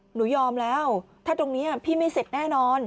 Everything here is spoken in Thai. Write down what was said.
หนูยอมแล้วถ้าตรงนี้พี่ไม่เสร็จแน่นอน